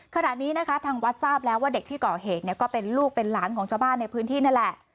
ขณะนี้นะคะทางวัดทราบแล้วว่าเด็กที่ก่อเหตุเนี่ยก็เป็นลูกเป็นหลานของชาวบ้านในพื้นที่นั่นแหละ